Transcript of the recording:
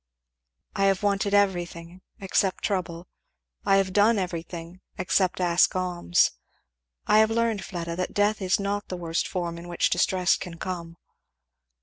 "I have wanted everything except trouble. I have done everything except ask alms. I have learned, Fleda, that death is not the worst form in which distress can come."